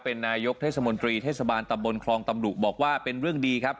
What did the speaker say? เป็นนายกเทศมนตรีเทศบาลตำบลคลองตำรุบอกว่าเป็นเรื่องดีครับ